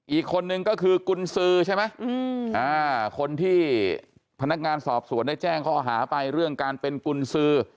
อีกคนนึงก็คือกุญสือใช่ไหมคนที่พนักงานสอบสวนได้แจ้งข้อหาไปเรื่องการเป็นกุญสือ